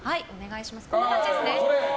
こんな感じです。